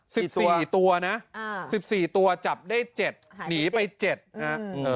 สิบสี่ตัวนะอ่าสิบสี่ตัวจับได้เจ็ดหนีไปเจ็ดฮะเออ